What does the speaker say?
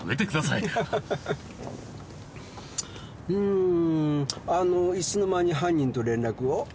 んーあのいつの間に犯人と連絡を？